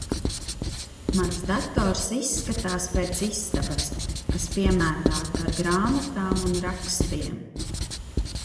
Mans dators izskatās pēc istabas, kas piemētāta ar grāmatām un rakstiem.